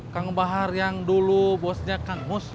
kang bahar yang dulu bosnya kang mus